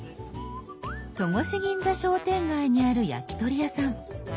戸越銀座商店街にある焼き鳥屋さん。